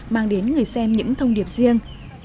mang đến người xem những thông điệp riêng